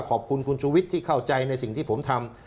ขอบคุณคุณชูวิทย์ที่เข้าใจในสิ่งที่ผมทำ